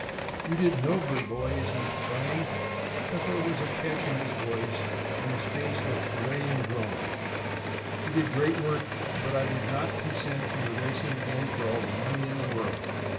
"You did nobly, boys," he exclaimed, but there was a catch in his voice, and his face looked gray and drawn, "you did great work, but I would not consent to your racing again for all the money in the world.